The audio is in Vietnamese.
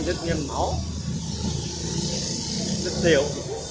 rất nghiền máu rất thiểu